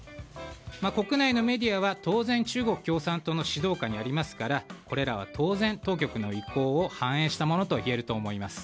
国内のメディアは当然、中国共産党の指導下にありますからこれらは当然、当局の意向を反映したものと言えると思います。